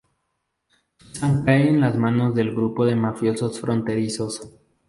Susan cae en las manos del grupo de mafiosos fronterizos.